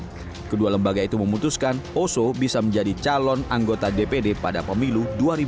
kedua lembaga itu memutuskan oso bisa menjadi calon anggota dpd pada pemilu dua ribu dua puluh